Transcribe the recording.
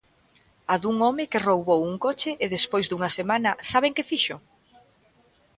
A dun home que roubou un coche e despois dunha semana, saben que fixo?